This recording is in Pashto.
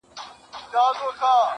يوه د ميني زنده گي راوړي~